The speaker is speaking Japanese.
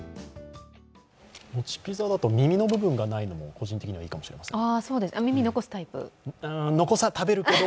もちピザだと耳の部分がないのが個人的にはいいかもしれません。